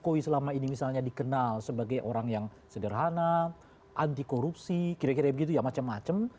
pak jokowi selama ini misalnya dikenal sebagai orang yang sederhana anti korupsi kira kira begitu ya macam macam